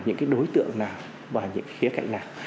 những cái đối tượng nào và những khía cạnh nào